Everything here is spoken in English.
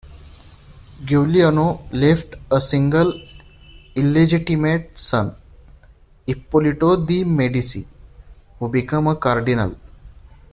Giuliano left a single illegitimate son, Ippolito de' Medici, who became a cardinal.